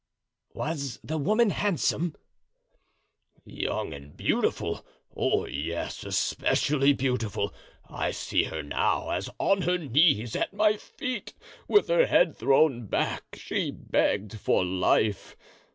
'" "Was the woman handsome?" "Young and beautiful. Oh, yes, especially beautiful. I see her now, as on her knees at my feet, with her head thrown back, she begged for life.